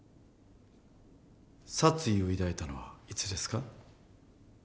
殺意を抱いたのはいつですか？